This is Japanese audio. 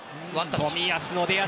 冨安の出足！